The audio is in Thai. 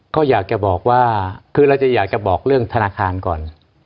ก็อยากจะบอกว่าคือเราจะอยากจะบอกเรื่องธนาคารก่อน